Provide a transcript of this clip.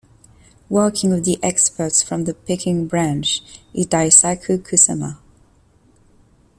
Working with the Experts from the Peking Branch is Daisaku Kusama.